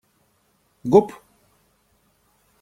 Гоп!